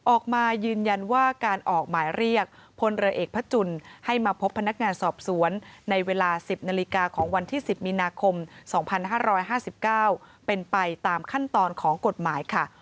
ออกมายืนยันว่าการออกหมายเรียกพลเรือเอกพระจุลให้มาพบพนักงานสอบสวนในเวลา๑๐นาฬิกาของวันที่๑๐มีนาคม๒๕๕๙เป็นไปตามขั้นตอนของกฎหมายค่ะ